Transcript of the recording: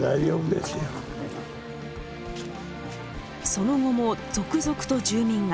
その後も続々と住民が。